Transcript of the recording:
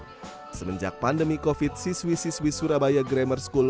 sebenarnya semenjak pandemi covid siswi siswi surabaya grammar school